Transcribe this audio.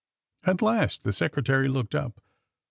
At last the Secretary looked up.